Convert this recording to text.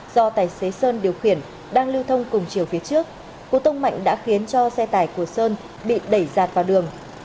do tài xế sơn điều khiển đang lưu thông cùng chiều phía trước cú tông mạnh đã khiến cho xe tải của sơn bị đẩy dạt vào đường